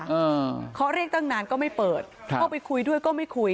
อ่าเคาะเรียกตั้งนานก็ไม่เปิดครับเข้าไปคุยด้วยก็ไม่คุย